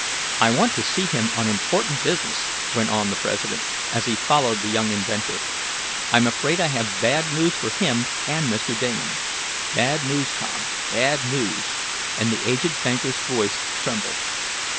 "I want to see him on important business," went on the president, as he followed the young inventor. "I'm afraid I have bad news for him and Mr. Damon. Bad news, Tom, bad news," and the aged banker's voice trembled.